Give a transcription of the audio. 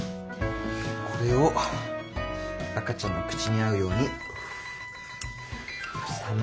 これを赤ちゃんの口に合うように冷ましたら。